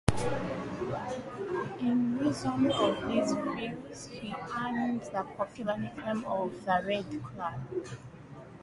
In reason of these views he earned the popular nickname of "The Red Cleric".